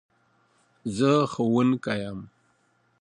زه ښوونکي يم